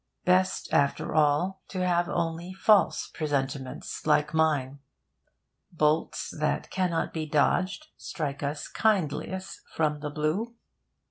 Best, after all, to have only false presentiments like mine. Bolts that cannot be dodged strike us kindliest from the blue.